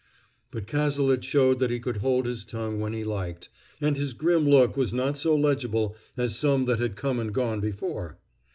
But Cazalet showed that he could hold his tongue when he liked, and his grim look was not so legible as some that had come and gone before.